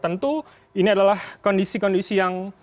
tentu ini adalah kondisi kondisi yang